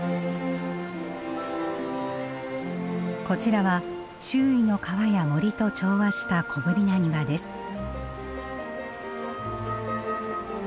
こちらは周囲の川や森と調和した小ぶりな庭です。